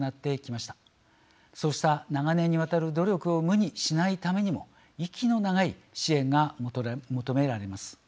そうした長年にわたる努力を無にしないためにも息の長い支援が求められます。